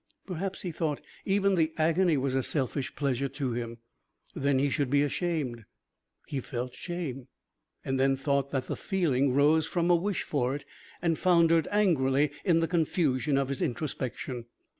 Perhaps, he thought, even the agony was a selfish pleasure to him. Then he should be ashamed. He felt shame and then thought that the feeling rose from a wish for it and foundered angrily in the confusion of his introspection.